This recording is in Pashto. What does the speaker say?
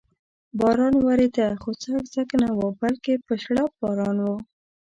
باران ورېده، خو څک څک نه و، بلکې په شړپ باران و.